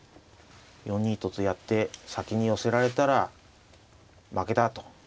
４二ととやって先に寄せられたら負けだと。